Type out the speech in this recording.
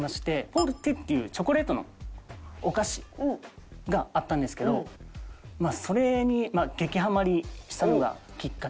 ポルテっていうチョコレートのお菓子があったんですけどそれに激ハマりしたのがきっかけだったんですけど。